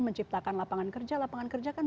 menciptakan lapangan kerja lapangan kerja kan